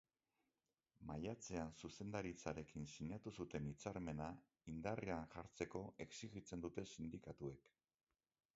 Maiatzean zuzendaritzarekin sinatu zuten hitzarmena indarrean jartzeko exijitzen dute sindikatuek.